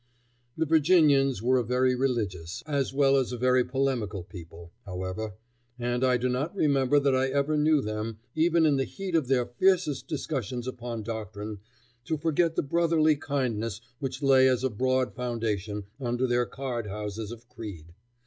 The Virginians were a very religious as well as a very polemical people, however, and I do not remember that I ever knew them, even in the heat of their fiercest discussions upon doctrine, to forget the brotherly kindness which lay as a broad foundation under their card houses of creed.